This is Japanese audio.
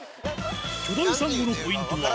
巨大サンゴのポイントは